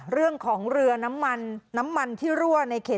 เรื่องของเรือน้ำมันน้ำมันที่รั่วในเขต